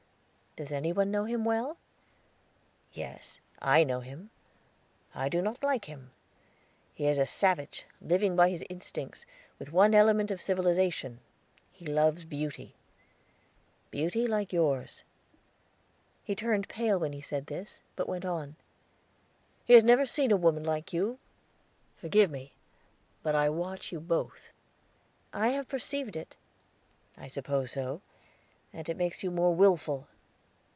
"Does any one know him well?" "Yes, I know him. I do not like him. He is a savage, living by his instincts, with one element of civilization he loves Beauty beauty like yours." He turned pale when he said this, but went on. "He has never seen a woman like you; who has? Forgive me, but I watch you both." "I have perceived it." "I suppose so, and it makes you more willful."